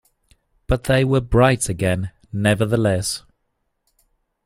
But they were bright again, nevertheless.